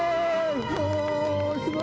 すごい。